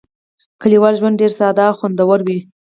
کلیوالي ژوند ډېر ساده او خوندور وي.